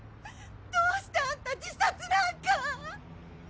どうしてアンタ自殺なんかっ。